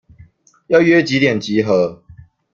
要約幾點集合？